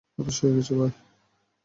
হতাশ হয়ে গেছি, ভাই।